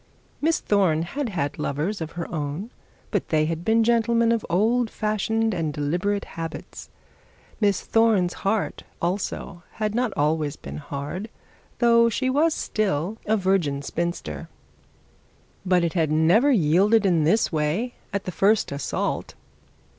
Miss Thorne had had lovers of her own, but they had been gentlemen of old fashioned and deliberate habits. Miss Thorne's heart also had not always been hard, though she was still a virgin spinster; but it had never yielded in this way at the first assault.